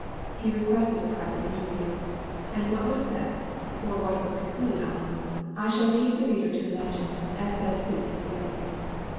He requested a private interview, and what was said, or what was concluded on, I shall leave the reader to imagine, as best suits his fancy.